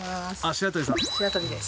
白鳥です。